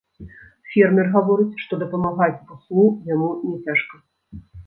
Фермер гаворыць, што дапамагаць буслу яму няцяжка.